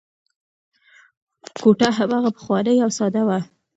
کوټه هماغه پخوانۍ او ساده وه.